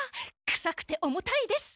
臭くて重たいです。